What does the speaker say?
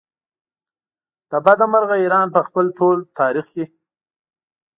له بده مرغه ایران په خپل ټول تاریخ کې.